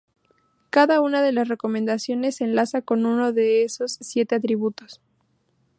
Cada una de las recomendaciones se enlaza con uno de esos siete atributos.